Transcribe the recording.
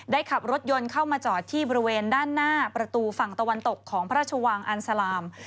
ขับรถยนต์เข้ามาจอดที่บริเวณด้านหน้าประตูฝั่งตะวันตกของพระราชวังอันสลาม